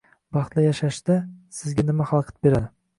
Baxtli yashashda sizga nima xalaqit beradi?